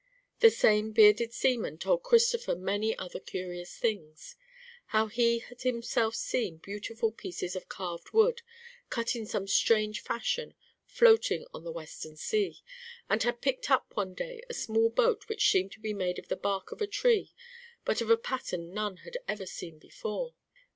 The same bearded seaman told Christopher many other curious things; how he had himself seen beautiful pieces of carved wood, cut in some strange fashion, floating on the western sea, and had picked up one day a small boat which seemed to be made of the bark of a tree, but of a pattern none had ever seen before.